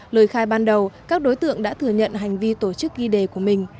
lời khai ban đầu các đối tượng đã thừa nhận hành vi tổ chức ghi đề của mình